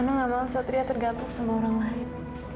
mano tidak mau satria tergantung sama orang lain